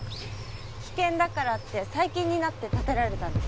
危険だからって最近になって建てられたんです。